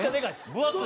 分厚い？